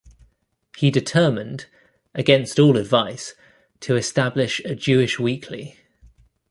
He determined, against all advice, to establish a Jewish weekly.